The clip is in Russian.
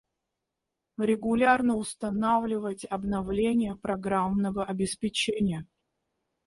Регулярно устанавливать обновления программного обеспечения